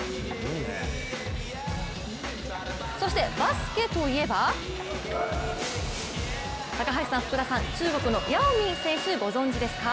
そしてバスケといえば高橋さん、福田さん、中国の姚明選手をご存じですか？